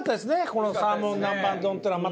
このサーモン南蛮丼っていうのは。